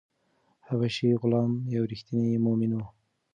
حبشي غلام یو ریښتینی مومن و.